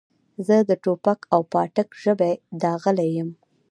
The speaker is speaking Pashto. زه د ټوپک او پاټک ژبې داغلی یم.